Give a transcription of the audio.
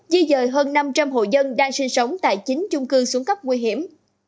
di dời hơn năm trăm linh hộ dân đang sinh sống tại chín chung cư xuống cấp nguy hiểm